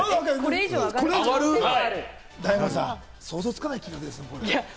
大門さん、想像できない金額ですね。